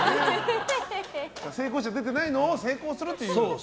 成功者出てないのを成功するという。